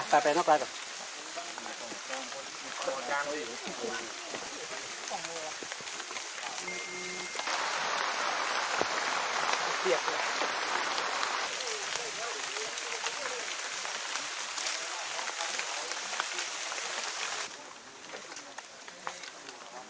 มุ่ยแล้วมีแปลกของเท้าเสื้อแกมาไอแอแอระวัง